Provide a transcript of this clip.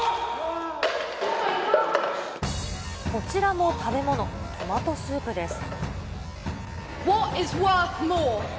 こちらも食べ物、トマトスープです。